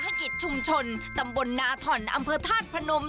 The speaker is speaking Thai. วิสาหกิจชุมชนตำบลนาธรณ์อำเภอธาตุพระนม